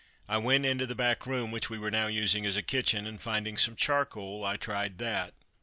I went into the back room, which we were now using as a kitchen, and finding some charcoal I tried that.